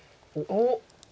おっ！